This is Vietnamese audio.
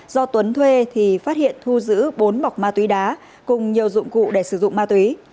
do tuấn thuê thì phát hiện thu giữ bốn bọc ma túy đá cùng nhiều dụng cụ để sử dụng ma túy